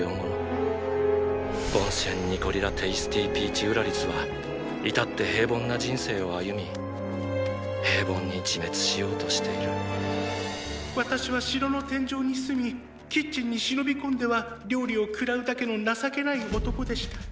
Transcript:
ボンシェン・ニコリ・ラ・テイスティピーチ＝ウラリスはいたって平凡な人生を歩み平凡に自滅しようとしている私は城の天井に住みキッチンに忍び込んでは料理を食らうだけの情けない男でした。